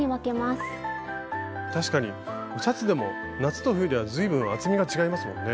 確かにシャツでも夏と冬では随分厚みが違いますもんね。